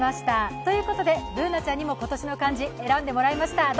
ということで、Ｂｏｏｎａちゃんにも今年の漢字、選んでもらいました。